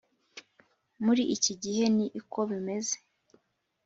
muri iki gihe ni uko bimeze